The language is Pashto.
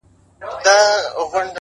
زه يې رسته نه منم عقل چي جهرچي دی وايي!!